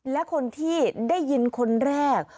และคนที่ได้ยินคนแรก